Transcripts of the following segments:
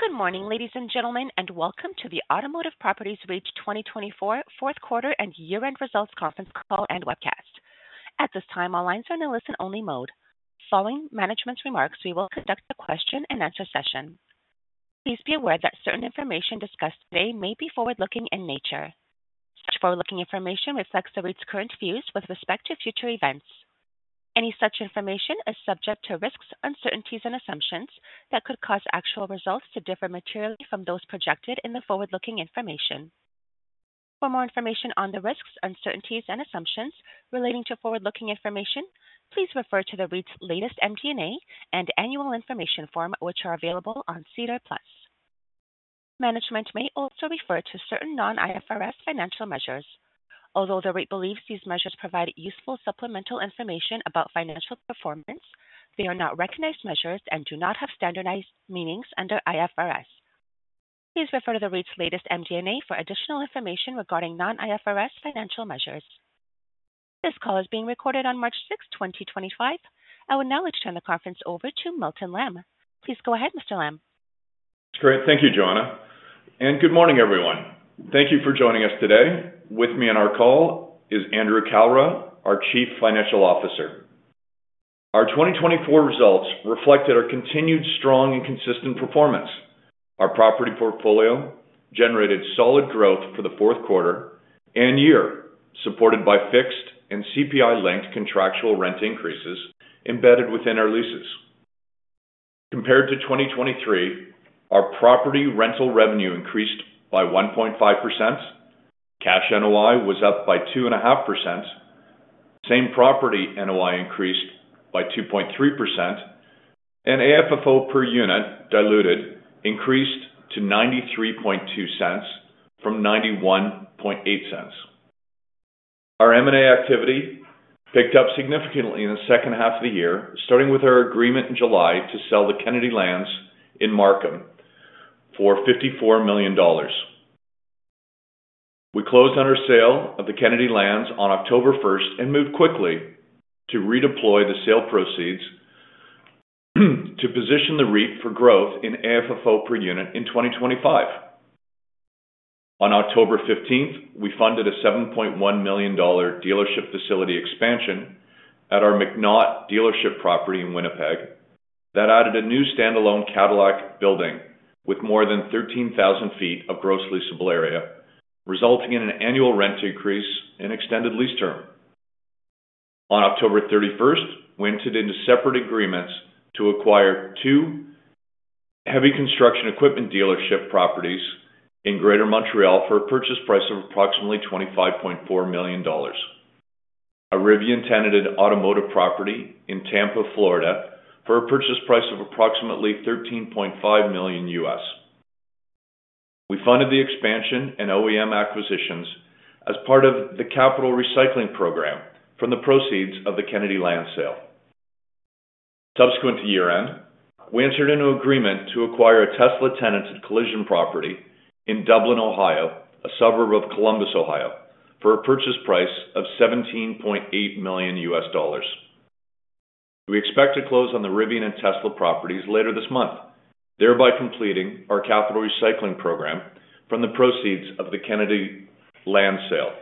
Good morning, ladies and gentlemen, and welcome to the Automotive Properties REIT 2024 fourth quarter and year-end results conference call and webcast. At this time, all lines are in a listen-only mode. Following management's remarks, we will conduct a question-and-answer session. Please be aware that certain information discussed today may be forward-looking in nature. Such forward-looking information reflects the REIT's current views with respect to future events. Any such information is subject to risks, uncertainties, and assumptions that could cause actual results to differ materially from those projected in the forward-looking information. For more information on the risks, uncertainties, and assumptions relating to forward-looking information, please refer to the REIT's latest MD&A and annual information form, which are available on SEDAR Plus. Management may also refer to certain non-IFRS financial measures. Although the REIT believes these measures provide useful supplemental information about financial performance, they are not recognized measures and do not have standardized meanings under IFRS. Please refer to the REIT's latest MT&A for additional information regarding non-IFRS financial measures. This call is being recorded on March 6, 2025. I will now turn the conference over to Milton Lamb. Please go ahead, Mr. Lamb. That's great. Thank you, Jonah. Good morning, everyone. Thank you for joining us today. With me on our call is Andrew Kalra, our Chief Financial Officer. Our 2024 results reflected our continued strong and consistent performance. Our property portfolio generated solid growth for the fourth quarter and year, supported by fixed and CPI-linked contractual rent increases embedded within our leases. Compared to 2023, our property rental revenue increased by 1.5%. Cash NOI was up by 2.5%. Same property NOI increased by 2.3%. AFFO per unit, diluted, increased to 0.932 from 0.918. Our M&A activity picked up significantly in the second half of the year, starting with our agreement in July to sell the Kennedy Lands in Markham for 54 million dollars. We closed on our sale of the Kennedy Lands on October 1 and moved quickly to redeploy the sale proceeds to position the REIT for growth in AFFO per unit in 2025. On October 15, we funded a 7.1 million dollar dealership facility expansion at our McNaught dealership property in Winnipeg that added a new standalone Cadillac building with more than 13,000 sq ft of gross leasable area, resulting in an annual rent increase and extended lease term. On October 31, we entered into separate agreements to acquire two heavy construction equipment dealership properties in Greater Montreal for a purchase price of approximately 25.4 million dollars. A Rivian-tenanted automotive property in Tampa, Florida, for a purchase price of approximately $13.5 million. We funded the expansion and OEM acquisitions as part of the capital recycling program from the proceeds of the Kennedy Land sale. Subsequent to year-end, we entered into an agreement to acquire a Tesla-tenanted collision property in Dublin, Ohio, a suburb of Columbus, Ohio, for a purchase price of $17.8 million U.S. We expect to close on the Rivian and Tesla properties later this month, thereby completing our capital recycling program from the proceeds of the Kennedy Land sale.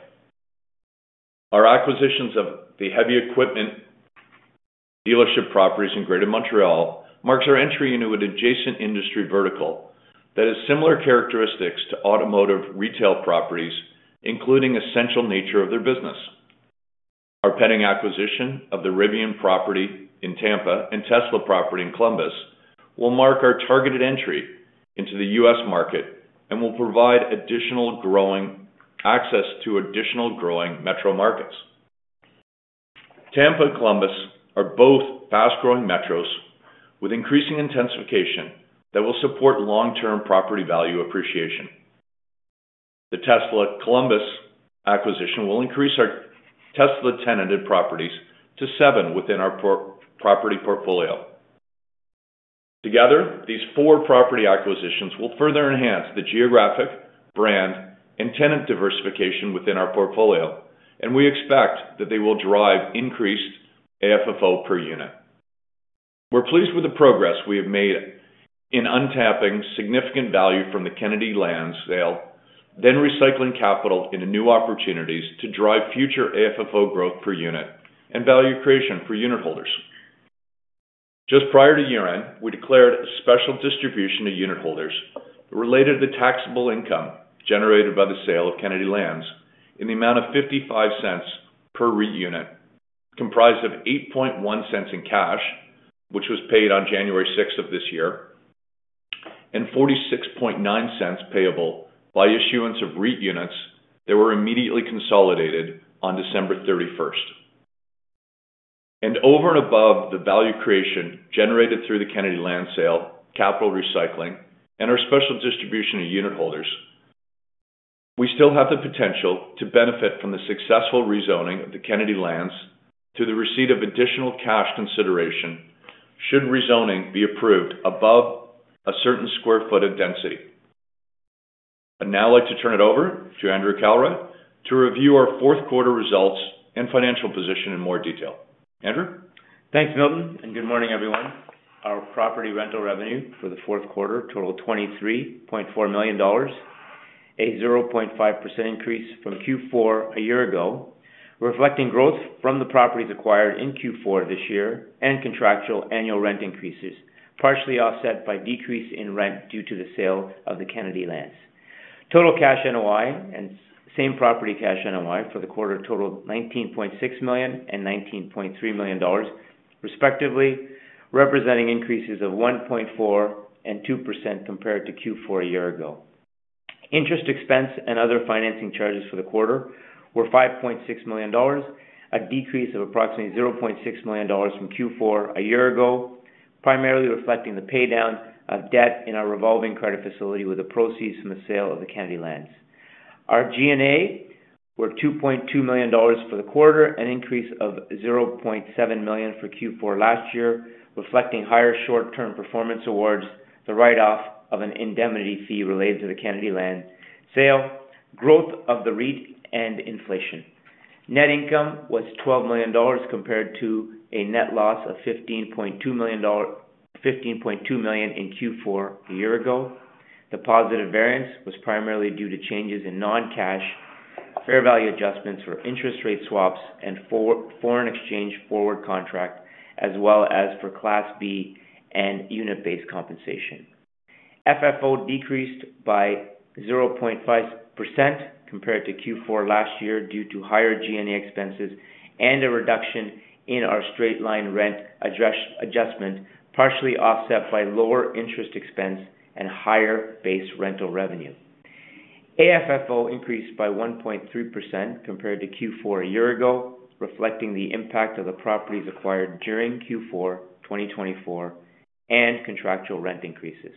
Our acquisitions of the heavy equipment dealership properties in Greater Montreal mark our entry into an adjacent industry vertical that has similar characteristics to automotive retail properties, including the essential nature of their business. Our pending acquisition of the Rivian property in Tampa and Tesla property in Columbus will mark our targeted entry into the U.S. market and will provide additional growing access to additional growing metro markets. Tampa and Columbus are both fast-growing metros with increasing intensification that will support long-term property value appreciation. The Tesla-Columbus acquisition will increase our Tesla-tenanted properties to seven within our property portfolio. Together, these four property acquisitions will further enhance the geographic, brand, and tenant diversification within our portfolio, and we expect that they will drive increased AFFO per unit. We're pleased with the progress we have made in untapping significant value from the Kennedy Land sale, then recycling capital into new opportunities to drive future AFFO growth per unit and value creation for unitholders. Just prior to year-end, we declared a special distribution to unitholders related to the taxable income generated by the sale of Kennedy Lands in the amount of 0.55 per REIT unit, comprised of 0.081 in cash, which was paid on January 6 of this year, and 0.469 payable by issuance of REIT units that were immediately consolidated on December 31. Over and above the value creation generated through the Kennedy Land sale, capital recycling, and our special distribution to unitholders, we still have the potential to benefit from the successful rezoning of the Kennedy Lands to the receipt of additional cash consideration should rezoning be approved above a certain square foot of density. I would now like to turn it over to Andrew Kalra to review our fourth quarter results and financial position in more detail. Andrew? Thanks, Milton. Good morning, everyone. Our property rental revenue for the fourth quarter totaled 23.4 million dollars, a 0.5% increase from Q4 a year ago, reflecting growth from the properties acquired in Q4 this year and contractual annual rent increases, partially offset by decrease in rent due to the sale of the Kennedy Lands. Total cash NOI and same property cash NOI for the quarter totaled 19.6 million and 19.3 million dollars, respectively, representing increases of 1.4% and 2% compared to Q4 a year ago. Interest, expense, and other financing charges for the quarter were 5.6 million dollars, a decrease of approximately 0.6 million dollars from Q4 a year ago, primarily reflecting the paydown of debt in our revolving credit facility with the proceeds from the sale of the Kennedy Lands. Our G&A were 2.2 million dollars for the quarter, an increase of 0.7 million from Q4 last year, reflecting higher short-term performance awards, the write-off of an indemnity fee related to the Kennedy Land sale, growth of the REIT, and inflation. Net income was 12 million dollars compared to a net loss of 15.2 million dollar in Q4 a year ago. The positive variance was primarily due to changes in non-cash fair value adjustments for interest rate swaps and foreign exchange forward contract, as well as for Class B and unit-based compensation. FFO decreased by 0.5% compared to Q4 last year due to higher G&A expenses and a reduction in our straight-line rent adjustment, partially offset by lower interest expense and higher base rental revenue. AFFO increased by 1.3% compared to Q4 a year ago, reflecting the impact of the properties acquired during Q4 2024 and contractual rent increases.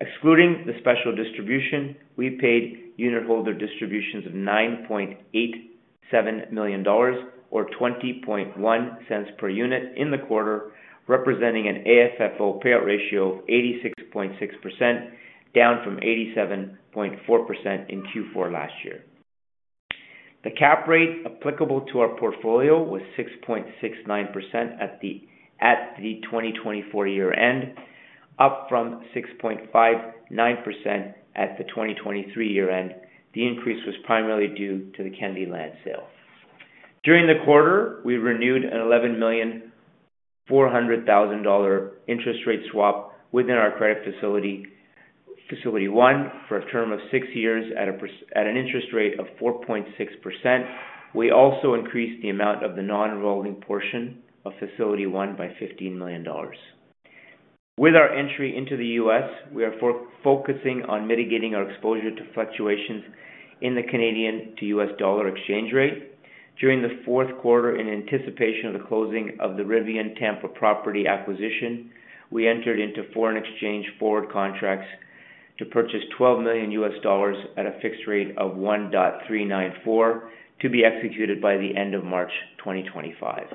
Excluding the special distribution, we paid unitholder distributions of 9.87 million dollars or 0.201 per unit in the quarter, representing an AFFO payout ratio of 86.6%, down from 87.4% in Q4 last year. The cap rate applicable to our portfolio was 6.69% at the 2024 year-end, up from 6.59% at the 2023 year-end. The increase was primarily due to the Kennedy Land sale. During the quarter, we renewed an 11,400,000 dollar interest rate swap within our credit facility, Facility 1, for a term of six years at an interest rate of 4.6%. We also increased the amount of the non-enrolling portion of Facility 1 by 15 million dollars. With our entry into the U.S., we are focusing on mitigating our exposure to fluctuations in the Canadian to U.S. dollar exchange rate. During the fourth quarter, in anticipation of the closing of the Rivian Tampa property acquisition, we entered into foreign exchange forward contracts to purchase 12 million US dollars at a fixed rate of 1.394 to be executed by the end of March 2025.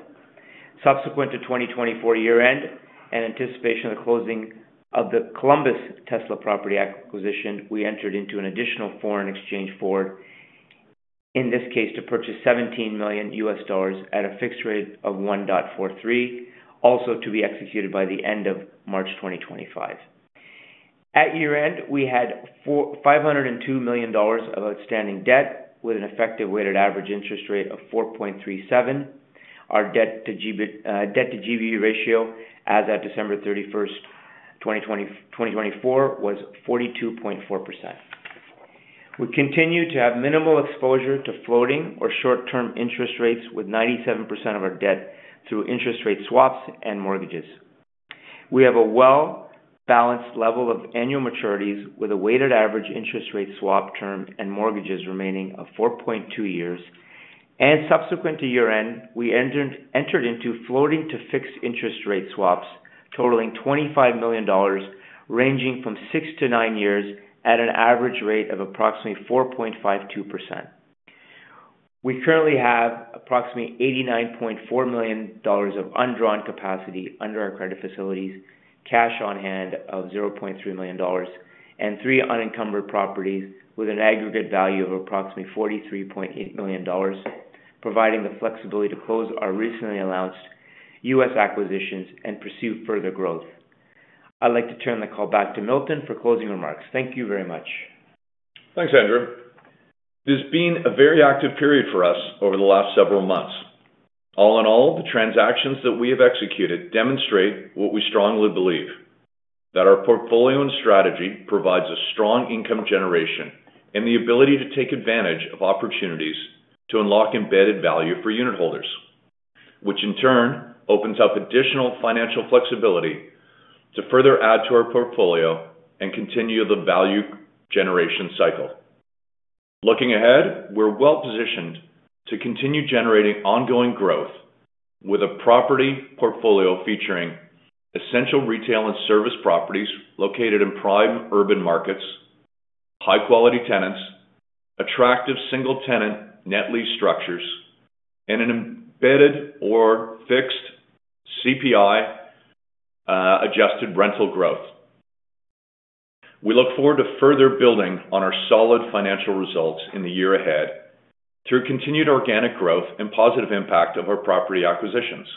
Subsequent to 2024 year-end, in anticipation of the closing of the Columbus Tesla property acquisition, we entered into an additional foreign exchange forward, in this case to purchase 17 million US dollars at a fixed rate of 1.43, also to be executed by the end of March 2025. At year-end, we had 502 million dollars of outstanding debt with an effective weighted average interest rate of 4.37%. Our debt-to-GV ratio, as of December 31, 2024, was 42.4%. We continue to have minimal exposure to floating or short-term interest rates, with 97% of our debt through interest rate swaps and mortgages. We have a well-balanced level of annual maturities, with a weighted average interest rate swap term and mortgages remaining of 4.2 years. Subsequent to year-end, we entered into floating-to-fixed interest rate swaps totaling 25 million dollars, ranging from six to nine years at an average rate of approximately 4.52%. We currently have approximately 89.4 million dollars of undrawn capacity under our credit facilities, cash on hand of 0.3 million dollars, and three unencumbered properties with an aggregate value of approximately 43.8 million dollars, providing the flexibility to close our recently announced U.S. acquisitions and pursue further growth. I'd like to turn the call back to Milton for closing remarks. Thank you very much. Thanks, Andrew. This has been a very active period for us over the last several months. All in all, the transactions that we have executed demonstrate what we strongly believe: that our portfolio and strategy provides a strong income generation and the ability to take advantage of opportunities to unlock embedded value for unitholders, which in turn opens up additional financial flexibility to further add to our portfolio and continue the value generation cycle. Looking ahead, we're well-positioned to continue generating ongoing growth with a property portfolio featuring essential retail and service properties located in prime urban markets, high-quality tenants, attractive single-tenant net lease structures, and an embedded or fixed CPI-adjusted rental growth. We look forward to further building on our solid financial results in the year ahead through continued organic growth and positive impact of our property acquisitions.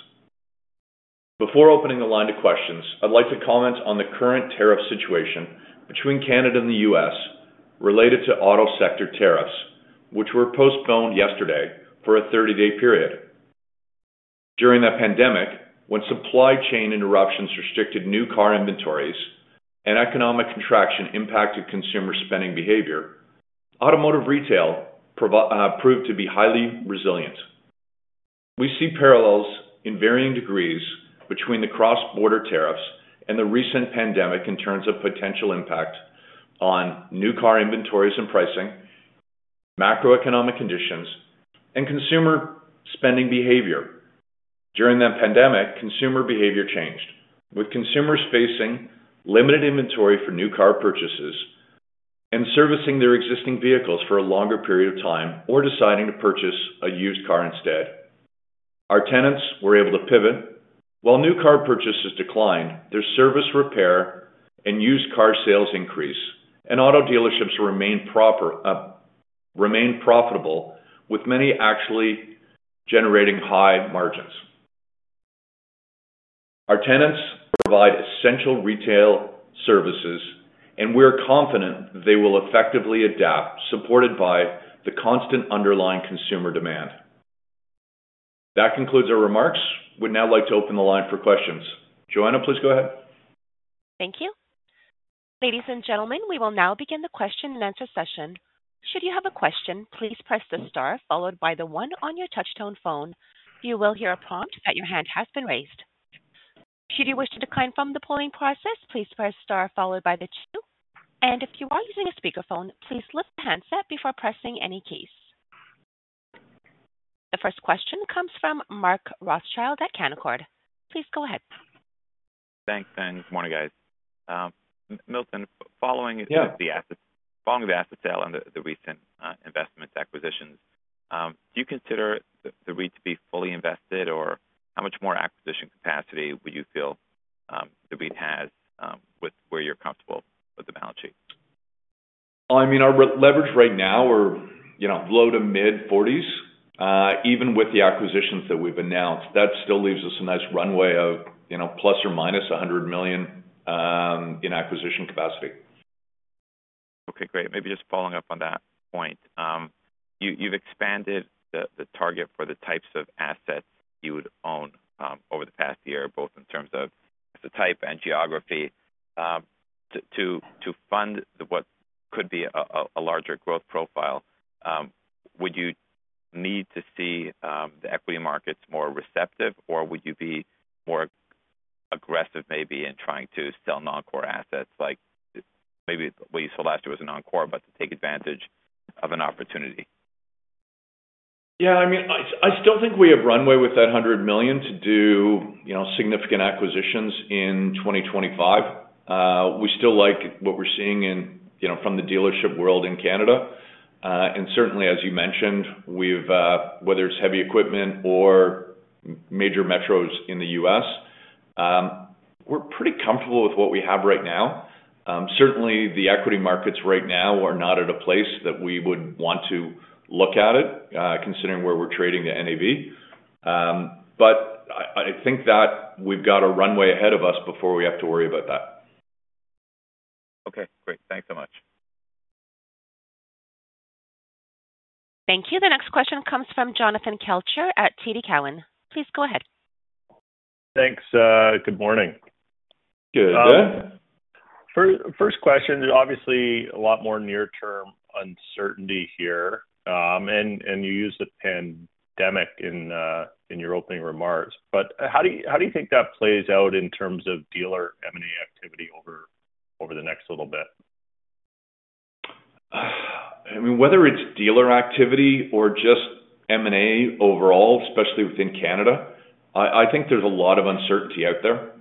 Before opening the line to questions, I'd like to comment on the current tariff situation between Canada and the U.S. related to auto sector tariffs, which were postponed yesterday for a 30-day period. During the pandemic, when supply chain interruptions restricted new car inventories and economic contraction impacted consumer spending behavior, automotive retail proved to be highly resilient. We see parallels in varying degrees between the cross-border tariffs and the recent pandemic in terms of potential impact on new car inventories and pricing, macroeconomic conditions, and consumer spending behavior. During the pandemic, consumer behavior changed, with consumers facing limited inventory for new car purchases and servicing their existing vehicles for a longer period of time or deciding to purchase a used car instead. Our tenants were able to pivot. While new car purchases declined, their service, repair, and used car sales increased, and auto dealerships remained profitable, with many actually generating high margins. Our tenants provide essential retail services, and we are confident they will effectively adapt, supported by the constant underlying consumer demand. That concludes our remarks. We'd now like to open the line for questions. Joanna, please go ahead. Thank you. Ladies and gentlemen, we will now begin the question-and-answer session. Should you have a question, please press the star followed by the one on your touch-tone phone. You will hear a prompt that your hand has been raised. Should you wish to decline from the polling process, please press star followed by the two. If you are using a speakerphone, please lift the handset before pressing any keys. The first question comes from Mark Rothschild at Canaccord. Please go ahead. Thanks, Ben. Good morning, guys. Milton, following the asset sale and the recent investment acquisitions, do you consider the REIT to be fully invested, or how much more acquisition capacity would you feel the REIT has with where you're comfortable with the balance sheet? I mean, our leverage right now, we're low to mid-40s. Even with the acquisitions that we've announced, that still leaves us a nice runway of plus or minus 100 million in acquisition capacity. Okay, great. Maybe just following up on that point, you've expanded the target for the types of assets you would own over the past year, both in terms of the type and geography. To fund what could be a larger growth profile, would you need to see the equity markets more receptive, or would you be more aggressive maybe in trying to sell non-core assets? Maybe what you saw last year was a non-core, but to take advantage of an opportunity. Yeah, I mean, I still think we have runway with that 100 million to do significant acquisitions in 2025. We still like what we're seeing from the dealership world in Canada. Certainly, as you mentioned, whether it's heavy equipment or major metros in the U.S., we're pretty comfortable with what we have right now. Certainly, the equity markets right now are not at a place that we would want to look at it, considering where we're trading the NAV. I think that we've got a runway ahead of us before we have to worry about that. Okay, great. Thanks so much. Thank you. The next question comes from Jonathan Kelcher at TD Cowen. Please go ahead. Thanks. Good morning. Good. First question, obviously a lot more near-term uncertainty here. You used the pandemic in your opening remarks. How do you think that plays out in terms of dealer M&A activity over the next little bit? I mean, whether it's dealer activity or just M&A overall, especially within Canada, I think there's a lot of uncertainty out there.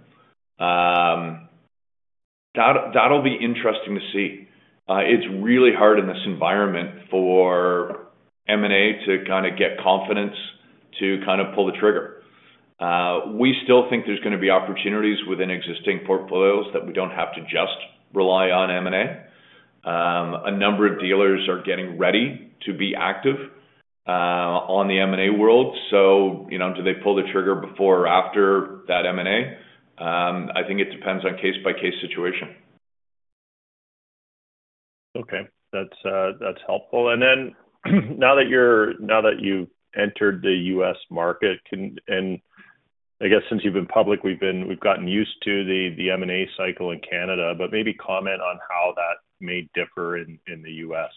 That'll be interesting to see. It's really hard in this environment for M&A to kind of get confidence to kind of pull the trigger. We still think there's going to be opportunities within existing portfolios that we don't have to just rely on M&A. A number of dealers are getting ready to be active on the M&A world. Do they pull the trigger before or after that M&A? I think it depends on case-by-case situation. Okay. That's helpful. Now that you've entered the U.S. market, and I guess since you've been public, we've gotten used to the M&A cycle in Canada, but maybe comment on how that may differ in the US.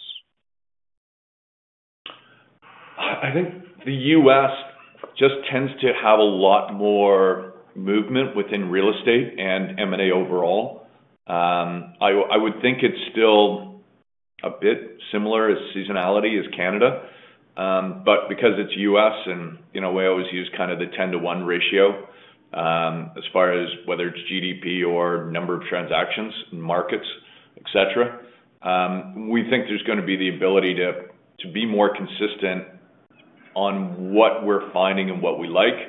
I think the U.S. just tends to have a lot more movement within real estate and M&A overall. I would think it's still a bit similar in seasonality as Canada. Because it's U.S., and we always use kind of the 10-to-1 ratio as far as whether it's GDP or number of transactions in markets, etc., we think there's going to be the ability to be more consistent on what we're finding and what we like.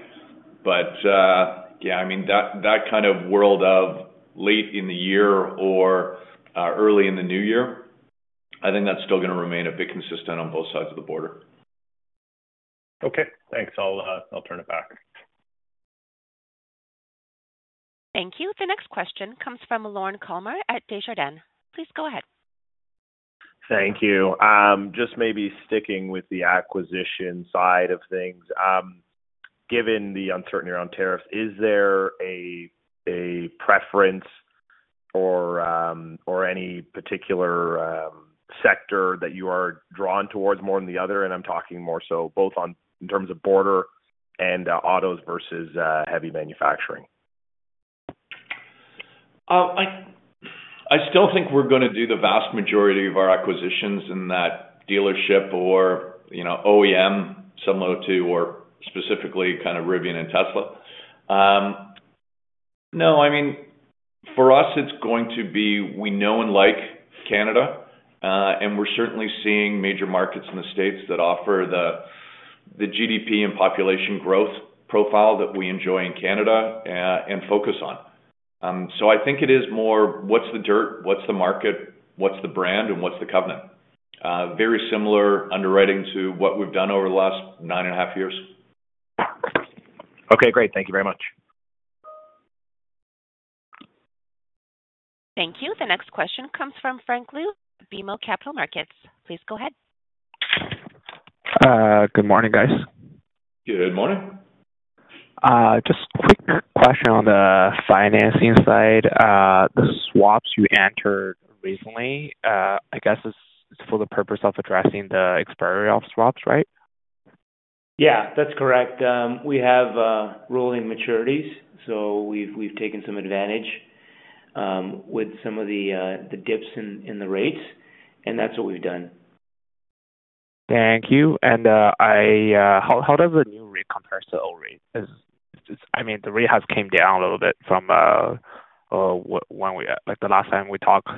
Yeah, I mean, that kind of world of late in the year or early in the new year, I think that's still going to remain a bit consistent on both sides of the border. Okay. Thanks. I'll turn it back. Thank you. The next question comes from Lauren Calmer at Desjardins. Please go ahead. Thank you. Just maybe sticking with the acquisition side of things, given the uncertainty around tariffs, is there a preference or any particular sector that you are drawn towards more than the other? I am talking more so both in terms of border and autos versus heavy manufacturing. I still think we're going to do the vast majority of our acquisitions in that dealership or OEM, similar to or specifically kind of Rivian and Tesla. No, I mean, for us, it's going to be we know and like Canada, and we're certainly seeing major markets in the States that offer the GDP and population growth profile that we enjoy in Canada and focus on. I think it is more what's the dirt, what's the market, what's the brand, and what's the covenant. Very similar underwriting to what we've done over the last nine and a half years. Okay, great. Thank you very much. Thank you. The next question comes from Frank Liu, BMO Capital Markets. Please go ahead. Good morning, guys. Good morning. Just a quick question on the financing side. The swaps you entered recently, I guess it's for the purpose of addressing the expiry of swaps, right? Yeah, that's correct. We have rolling maturities, so we've taken some advantage with some of the dips in the rates, and that's what we've done. Thank you. How does the new rate compare to the old rate? I mean, the rate has come down a little bit from when we the last time we talked.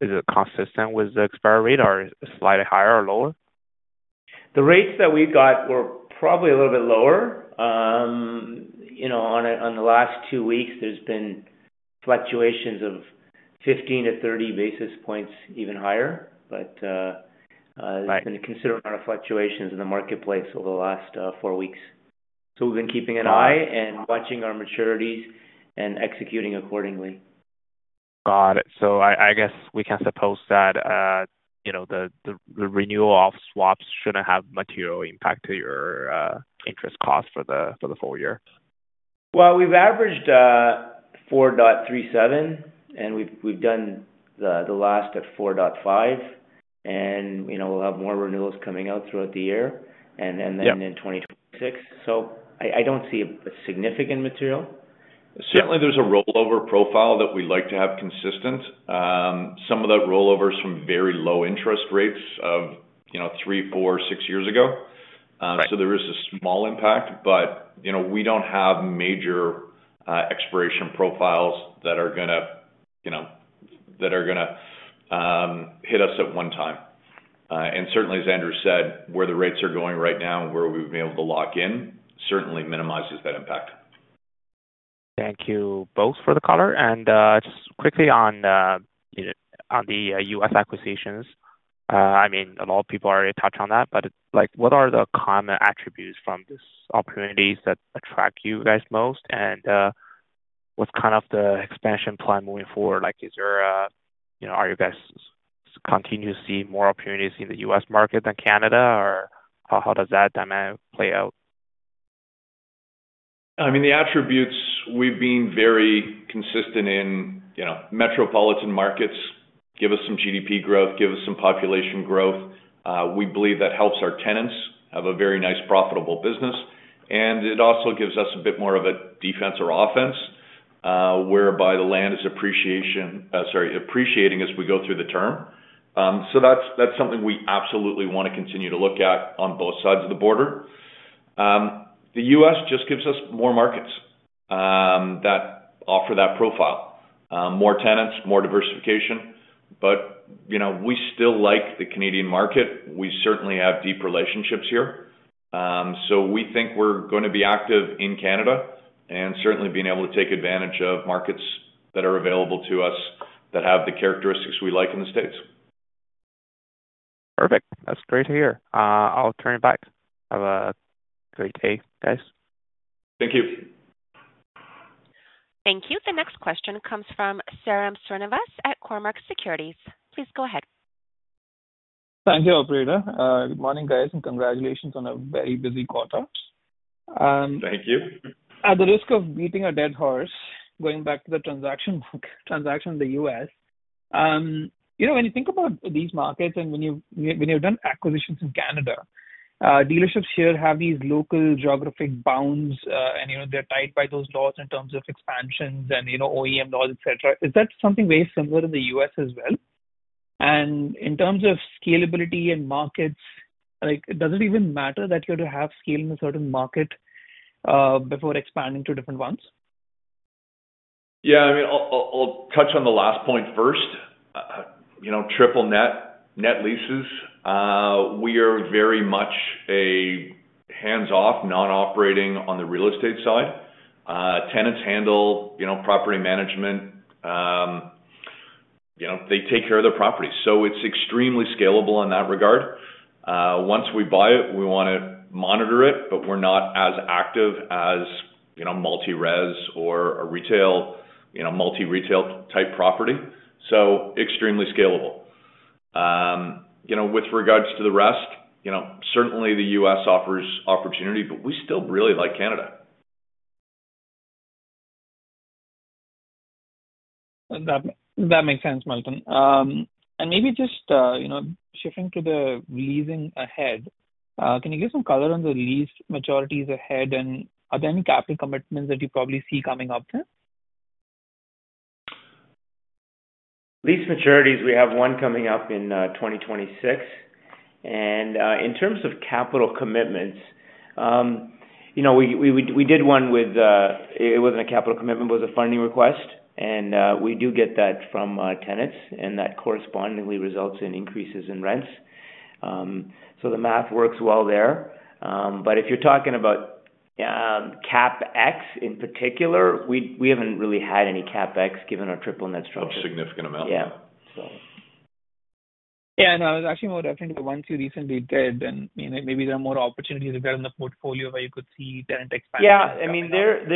Is it consistent with the expiry rate or slightly higher or lower? The rates that we got were probably a little bit lower. In the last two weeks, there's been fluctuations of 15-30 basis points, even higher. It has been a considerable amount of fluctuations in the marketplace over the last four weeks. We have been keeping an eye and watching our maturities and executing accordingly. Got it. I guess we can suppose that the renewal of swaps shouldn't have material impact to your interest cost for the full year. We've averaged 4.37, and we've done the last at 4.5. We'll have more renewals coming out throughout the year and then in 2026. I don't see a significant material. Certainly, there's a rollover profile that we'd like to have consistent. Some of that rollover is from very low interest rates of three, four, six years ago. There is a small impact, but we don't have major expiration profiles that are going to hit us at one time. Certainly, as Andrew said, where the rates are going right now and where we've been able to lock in certainly minimizes that impact. Thank you both for the color. And just quickly on the U.S. acquisitions, I mean, a lot of people are touching on that, but what are the common attributes from these opportunities that attract you guys most? And what's kind of the expansion plan moving forward? Are you guys continuing to see more opportunities in the U.S. market than Canada, or how does that play out? I mean, the attributes we've been very consistent in metropolitan markets give us some GDP growth, give us some population growth. We believe that helps our tenants have a very nice profitable business. It also gives us a bit more of a defense or offense whereby the land is appreciating as we go through the term. That is something we absolutely want to continue to look at on both sides of the border. The U.S. just gives us more markets that offer that profile: more tenants, more diversification. We still like the Canadian market. We certainly have deep relationships here. We think we're going to be active in Canada and certainly being able to take advantage of markets that are available to us that have the characteristics we like in the States. Perfect. That's great to hear. I'll turn it back. Have a great day, guys. Thank you. Thank you. The next question comes from Sairam Srinivas at Cormark Securities. Please go ahead. Thank you, operator. Good morning, guys, and congratulations on a very busy quarter. Thank you. At the risk of beating a dead horse, going back to the transaction in the U.S., when you think about these markets and when you've done acquisitions in Canada, dealerships here have these local geographic bounds, and they're tied by those laws in terms of expansions and OEM laws, etc. Is that something very similar in the U.S. as well? In terms of scalability and markets, does it even matter that you have to scale in a certain market before expanding to different ones? Yeah, I mean, I'll touch on the last point first. Triple net leases, we are very much a hands-off, non-operating on the real estate side. Tenants handle property management. They take care of their properties. It is extremely scalable in that regard. Once we buy it, we want to monitor it, but we're not as active as multi-res or a multi-retail type property. It is extremely scalable. With regards to the rest, certainly the U.S. offers opportunity, but we still really like Canada. That makes sense, Milton. Maybe just shifting to the leasing ahead, can you give some color on the lease maturities ahead? Are there any capital commitments that you probably see coming up there? Lease maturities, we have one coming up in 2026. In terms of capital commitments, we did one with it was not a capital commitment, but it was a funding request. We do get that from tenants, and that correspondingly results in increases in rents. The math works well there. If you are talking about CapEx in particular, we have not really had any CapEx given our triple net structure. No significant amount. Yeah. Yeah. I was actually more definitely the ones you recently did. Maybe there are more opportunities if they're in the portfolio where you could see tenant expansion. Yeah. I mean, they're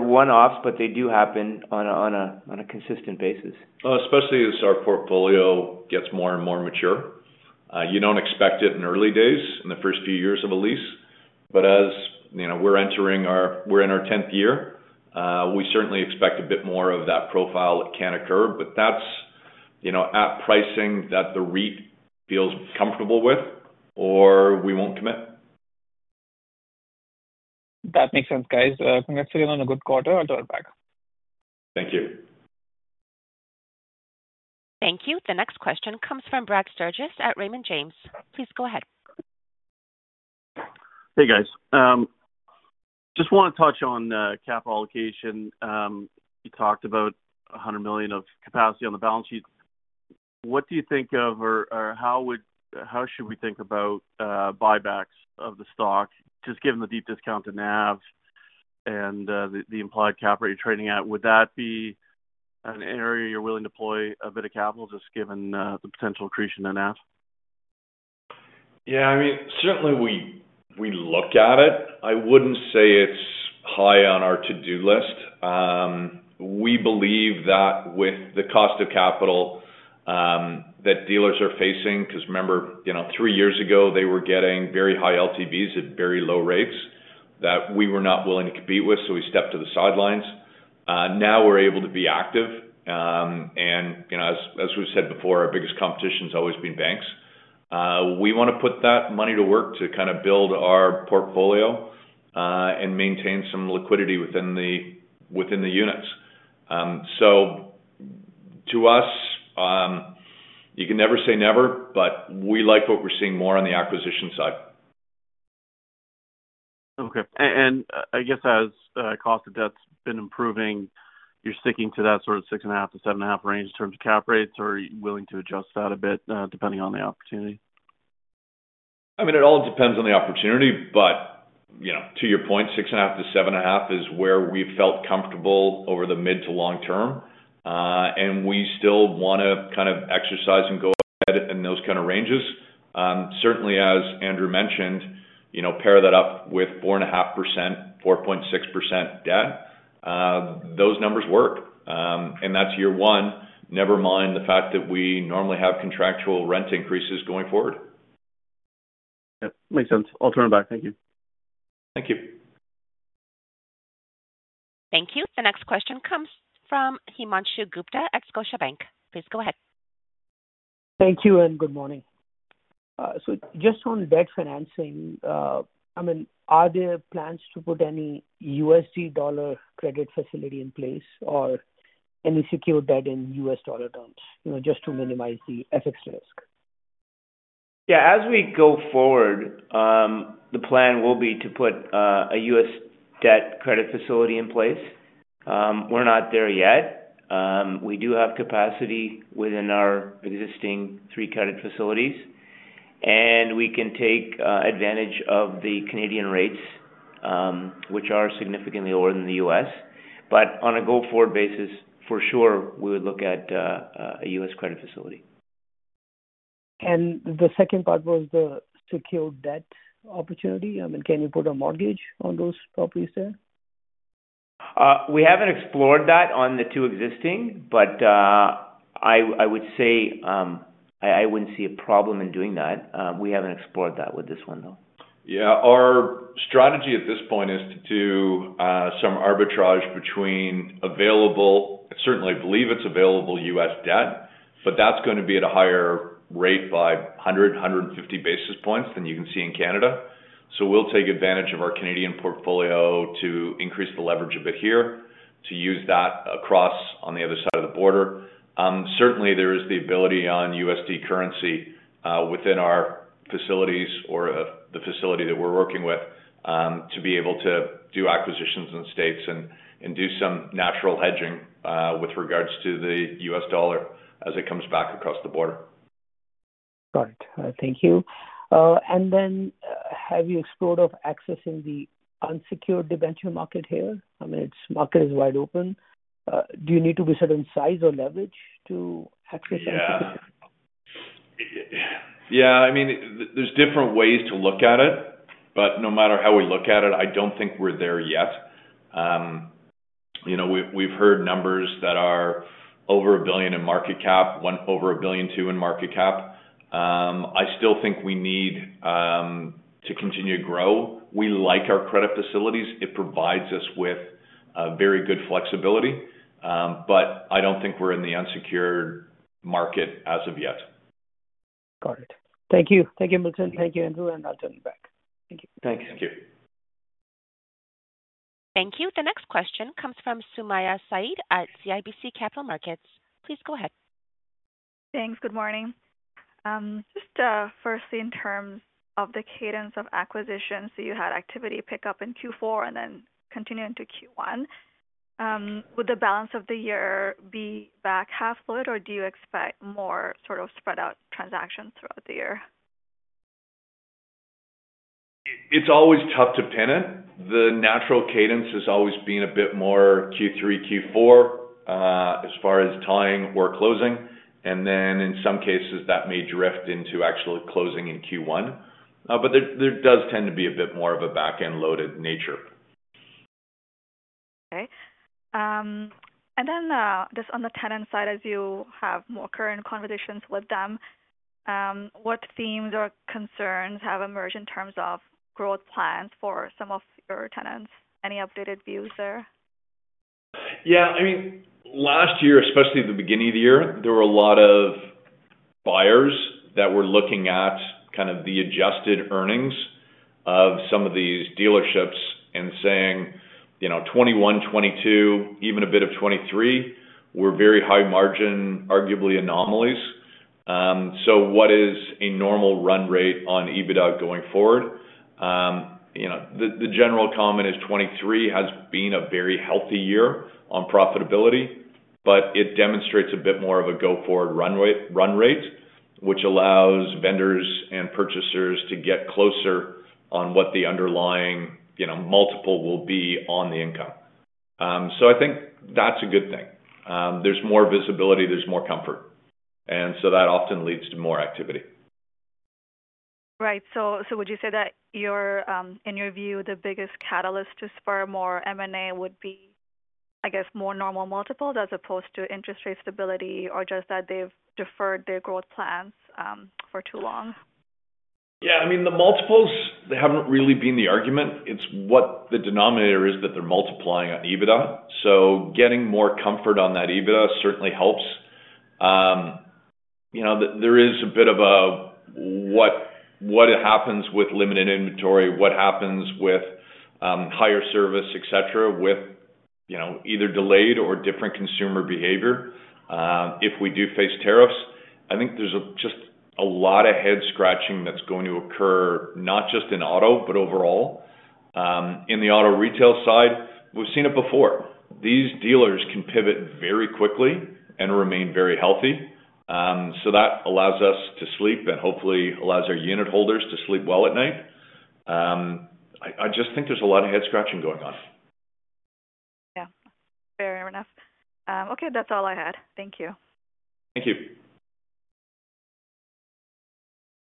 one-offs, but they do happen on a consistent basis. Especially as our portfolio gets more and more mature. You do not expect it in early days in the first few years of a lease. As we are entering our, we are in our 10th year, we certainly expect a bit more of that profile can occur. That is at pricing that the REIT feels comfortable with, or we will not commit. That makes sense, guys. Congratulations on a good quarter. I'll turn it back. Thank you. Thank you. The next question comes from Brad Sturges at Raymond James. Please go ahead. Hey, guys. Just want to touch on capital allocation. You talked about $100 million of capacity on the balance sheet. What do you think of or how should we think about buybacks of the stock just given the deep discount to NAV and the implied cap rate you're trading at? Would that be an area you're willing to deploy a bit of capital just given the potential accretion in NAV? Yeah. I mean, certainly we look at it. I would not say it is high on our to-do list. We believe that with the cost of capital that dealers are facing, because remember, three years ago, they were getting very high LTVs at very low rates that we were not willing to compete with, we stepped to the sidelines. Now we are able to be active. As we have said before, our biggest competition has always been banks. We want to put that money to work to kind of build our portfolio and maintain some liquidity within the units. To us, you can never say never, but we like what we are seeing more on the acquisition side. Okay. I guess as cost of debt's been improving, you're sticking to that sort of 6.5%-7.5% range in terms of cap rates, or are you willing to adjust that a bit depending on the opportunity? I mean, it all depends on the opportunity. To your point, 6.5%-7.5% is where we've felt comfortable over the mid to long term. We still want to kind of exercise and go ahead in those kind of ranges. Certainly, as Andrew mentioned, pair that up with 4.5%-4.6% debt, those numbers work. That's year one, never mind the fact that we normally have contractual rent increases going forward. Yep. Makes sense. I'll turn it back. Thank you. Thank you. Thank you. The next question comes from Himanshu Gupta at Scotiabank. Please go ahead. Thank you and good morning. Just on debt financing, I mean, are there plans to put any USD credit facility in place or any secured debt in USD terms just to minimize the FX risk? Yeah. As we go forward, the plan will be to put a U.S. debt credit facility in place. We're not there yet. We do have capacity within our existing three credit facilities, and we can take advantage of the Canadian rates, which are significantly lower than the US. On a go-forward basis, for sure, we would look at a U.S. credit facility. The second part was the secure debt opportunity. I mean, can you put a mortgage on those properties there? We haven't explored that on the two existing, but I would say I wouldn't see a problem in doing that. We haven't explored that with this one, though. Yeah. Our strategy at this point is to do some arbitrage between available, certainly I believe it's available U.S. debt, but that's going to be at a higher rate by 100-150 basis points than you can see in Canada. So we'll take advantage of our Canadian portfolio to increase the leverage a bit here to use that across on the other side of the border. Certainly, there is the ability on USD currency within our facilities or the facility that we're working with to be able to do acquisitions in the States and do some natural hedging with regards to the U.S. dollar as it comes back across the border. Got it. Thank you. Have you explored accessing the unsecured debenture market here? I mean, its market is wide open. Do you need to be a certain size or leverage to access? Yeah. I mean, there's different ways to look at it, but no matter how we look at it, I don't think we're there yet. We've heard numbers that are over $1 billion in market cap, one over $1.2 billion in market cap. I still think we need to continue to grow. We like our credit facilities. It provides us with very good flexibility, but I don't think we're in the unsecured market as of yet. Got it. Thank you. Thank you, Milton. Thank you, Andrew. I'll turn it back. Thank you. Thanks. Thank you. Thank you. The next question comes from Sumayya Syed at CIBC Capital Markets. Please go ahead. Thanks. Good morning. Just firstly, in terms of the cadence of acquisition, you had activity pick up in Q4 and then continuing to Q1. Would the balance of the year be back half-loaded, or do you expect more sort of spread-out transactions throughout the year? It's always tough to pin it. The natural cadence has always been a bit more Q3, Q4 as far as tying or closing. In some cases, that may drift into actually closing in Q1. There does tend to be a bit more of a back-end loaded nature. Okay. Just on the tenant side, as you have more current conversations with them, what themes or concerns have emerged in terms of growth plans for some of your tenants? Any updated views there? Yeah. I mean, last year, especially at the beginning of the year, there were a lot of buyers that were looking at kind of the adjusted earnings of some of these dealerships and saying 2021, 2022, even a bit of 2023 were very high-margin, arguably anomalies. What is a normal run rate on EBITDA going forward? The general comment is 2023 has been a very healthy year on profitability, but it demonstrates a bit more of a go-forward run rate, which allows vendors and purchasers to get closer on what the underlying multiple will be on the income. I think that's a good thing. There's more visibility. There's more comfort. That often leads to more activity. Right. Would you say that in your view, the biggest catalyst to spur more M&A would be, I guess, more normal multiples as opposed to interest rate stability or just that they've deferred their growth plans for too long? Yeah. I mean, the multiples, they haven't really been the argument. It's what the denominator is that they're multiplying on EBITDA. Getting more comfort on that EBITDA certainly helps. There is a bit of a what happens with limited inventory, what happens with higher service, etc., with either delayed or different consumer behavior. If we do face tariffs, I think there's just a lot of head scratching that's going to occur not just in auto, but overall. In the auto retail side, we've seen it before. These dealers can pivot very quickly and remain very healthy. That allows us to sleep and hopefully allows our unitholders to sleep well at night. I just think there's a lot of head scratching going on. Yeah. Fair enough. Okay. That's all I had. Thank you. Thank you.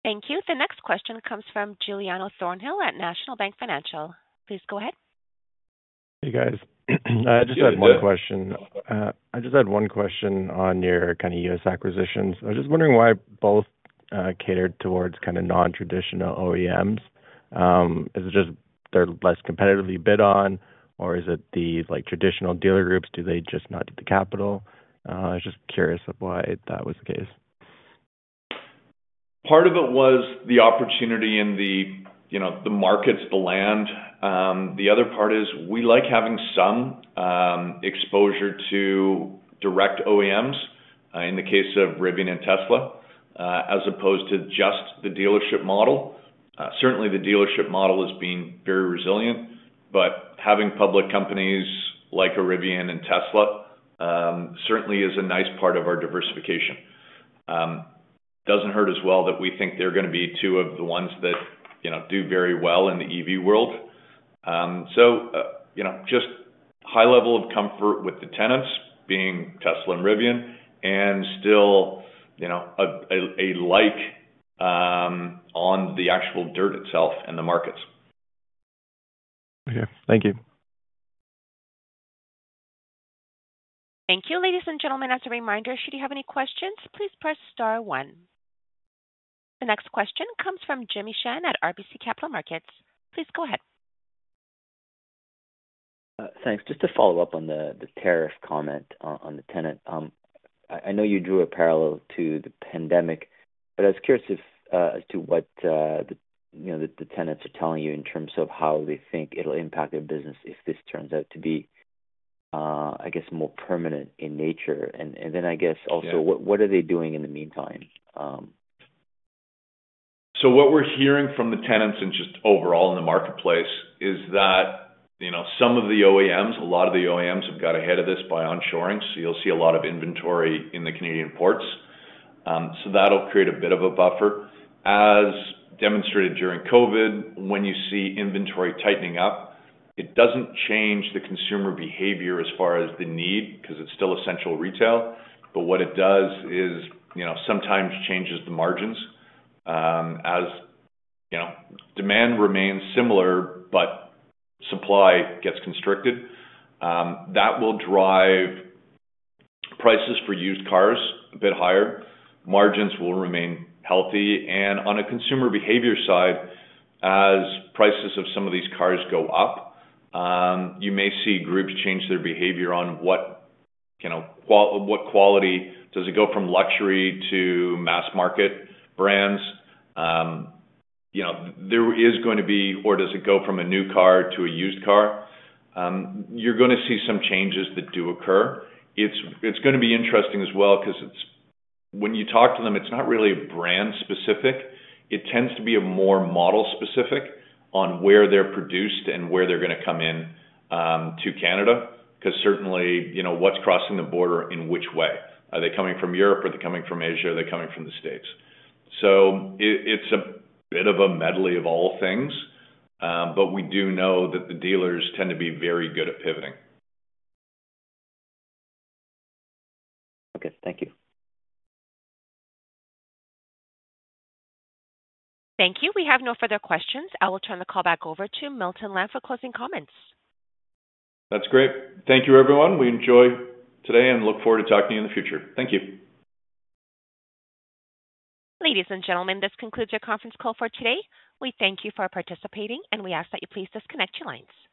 Thank you. The next question comes from Giuliano Thornhill at National Bank Financial. Please go ahead. Hey, guys. I just had one question. I just had one question on your kind of U.S. acquisitions. I was just wondering why both catered towards kind of non-traditional OEMs. Is it just they're less competitively bid on, or is it the traditional dealer groups? Do they just not get the capital? I was just curious of why that was the case. Part of it was the opportunity in the markets, the land. The other part is we like having some exposure to direct OEMs in the case of Rivian and Tesla as opposed to just the dealership model. Certainly, the dealership model has been very resilient, but having public companies like a Rivian and Tesla certainly is a nice part of our diversification. It does not hurt as well that we think they are going to be two of the ones that do very well in the EV world. Just high level of comfort with the tenants being Tesla and Rivian and still a like on the actual dirt itself and the markets. Okay. Thank you. Thank you, ladies and gentlemen. As a reminder, should you have any questions, please press star one. The next question comes from Jimmy Shan at RBC Capital Markets. Please go ahead. Thanks. Just to follow up on the tariff comment on the tenant, I know you drew a parallel to the pandemic, but I was curious as to what the tenants are telling you in terms of how they think it'll impact their business if this turns out to be, I guess, more permanent in nature. I guess also, what are they doing in the meantime? What we're hearing from the tenants and just overall in the marketplace is that some of the OEMs, a lot of the OEMs have got ahead of this by onshoring. You'll see a lot of inventory in the Canadian ports. That will create a bit of a buffer. As demonstrated during COVID, when you see inventory tightening up, it doesn't change the consumer behavior as far as the need because it's still essential retail. What it does is sometimes change the margins. As demand remains similar, but supply gets constricted, that will drive prices for used cars a bit higher. Margins will remain healthy. On a consumer behavior side, as prices of some of these cars go up, you may see groups change their behavior on what quality does it go from luxury to mass-market brands. There is going to be, or does it go from a new car to a used car? You're going to see some changes that do occur. It's going to be interesting as well because when you talk to them, it's not really brand-specific. It tends to be more model-specific on where they're produced and where they're going to come into Canada because certainly, what's crossing the border in which way? Are they coming from Europe? Are they coming from Asia? Are they coming from the States? It is a bit of a medley of all things, but we do know that the dealers tend to be very good at pivoting. Okay. Thank you. Thank you. We have no further questions. I will turn the call back over to Milton Lamb for closing comments. That's great. Thank you, everyone. We enjoy today and look forward to talking to you in the future. Thank you. Ladies and gentlemen, this concludes your conference call for today. We thank you for participating, and we ask that you please disconnect your lines.